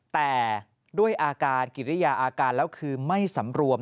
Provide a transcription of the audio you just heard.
แต่ด้วยอาการกิริยาอาการแล้วคือไม่สำรวม